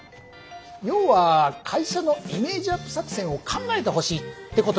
要は会社のイメージアップ作戦を考えてほしいってことみたいなんだ。